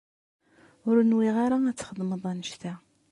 Ur nwiɣ ara ad txedmeḍ annect-a.